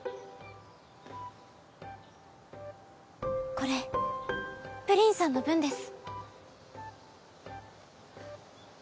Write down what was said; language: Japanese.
これぷりんさんの分です。